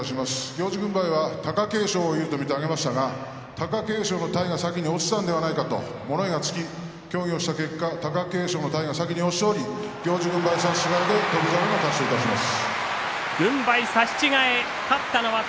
行司軍配は貴景勝有利と見て上げましたが貴景勝の体が先に落ちたのではないかと物言いがつき協議をした結果貴景勝の体が先に落ちており行司軍配差し違えで翔猿の勝ちとします。